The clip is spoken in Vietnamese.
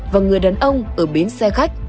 và người đàn ông ở bến xe khách